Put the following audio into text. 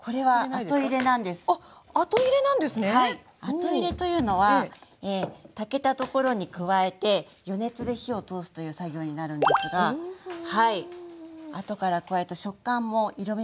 後入れというのは炊けたところに加えて余熱で火を通すという作業になるのですがはいあとから加えると食感も色みも良くなるんですね。